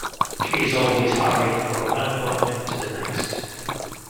She is always hurrying from one appointment to the next.